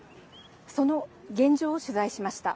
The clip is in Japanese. その現状を取材しました。